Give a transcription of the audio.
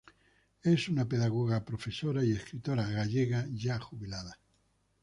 Es una pedagoga, profesora y escritora gallega ya jubilada.